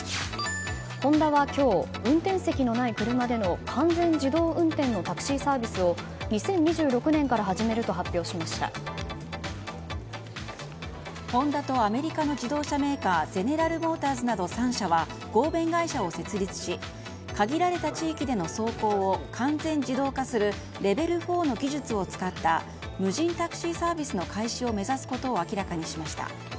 ホンダは今日運転席のない車での完全自動運転のタクシーサービスを２０２６年から始めるとホンダとアメリカの自動車メーカーゼネラル・モーターズなど３社は合弁会社を設立し限られた地域での走行を完全自動化するレベル４の技術を使った無人タクシーサービスの開始を目指すことを明らかにしました。